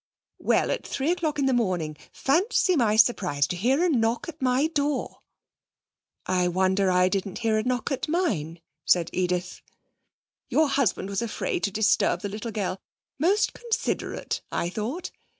'Well, at three o'clock in the morning, fancy my surprise to hear a knock at my door!' 'I wonder I didn't hear a knock at mine,' said Edith. 'Your husband was afraid to disturb the little girl. Most considerate, I thought.